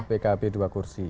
jalur pkb dua kursi